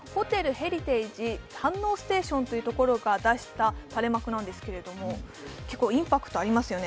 ヘリテージ飯能ステーションというところが出した垂れ幕なんですがインパクトありますよね。